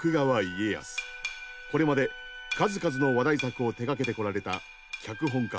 これまで数々の話題作を手がけてこられた脚本家